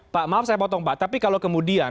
pak maaf saya potong pak tapi kalau kemudian